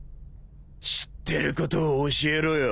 知ってることを教えろよ。